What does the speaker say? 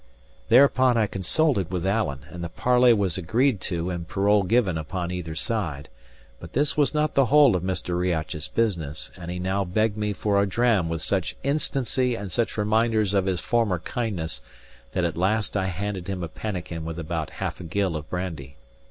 Thereupon I consulted with Alan, and the parley was agreed to and parole given upon either side; but this was not the whole of Mr. Riach's business, and he now begged me for a dram with such instancy and such reminders of his former kindness, that at last I handed him a pannikin with about a gill of brandy.